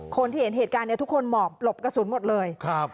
คนที่เห็นเหตุการณ์เนี่ยทุกคนหมอบหลบกระสุนหมดเลย